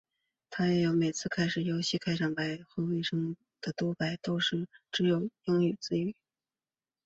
但也有每次开始游戏时的开场白和尾声的读白都是只有英语语音。